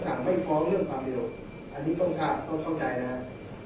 เสนอสั่งคล้องเรื่องคับเร็วอันนี้ต้องที่ค่อนข้างใจนะครับ